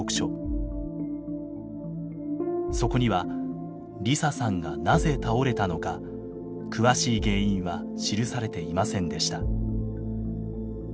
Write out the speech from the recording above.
そこには梨沙さんがなぜ倒れたのか詳しい原因は記されていませんでした。